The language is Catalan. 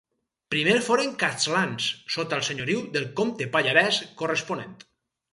Primer foren castlans, sota el senyoriu del comte pallarès corresponent.